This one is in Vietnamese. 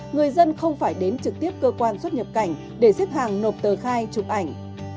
người dân không phải đến trực tiếp cơ quan xuất nhập cảnh để xếp hàng nộp tờ khai chụp ảnh